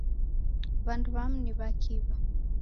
W'andu w'amu ni w'akiw'a.